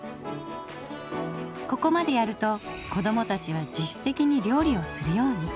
ここまでやると子どもたちは自主的に料理をするように。